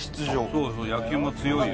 そうそう野球も強いよ。